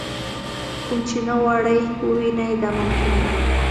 کوم چې نه غواړئ ووینئ دا ممکنه ده.